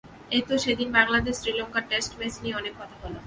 এই তো সেদিন বাংলাদেশ শ্রীলঙ্কার টেস্ট ম্যাচ নিয়ে অনেক কথা হলো।